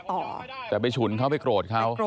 แต่ไปฉุนเขาไปโกรธเขา